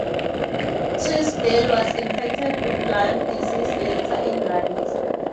Teasdale was infected with Lyme disease later in life.